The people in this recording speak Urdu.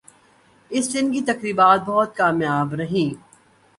اس دن کی تقریبات بہت کامیاب رہیں